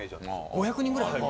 ５００人ぐらい入る。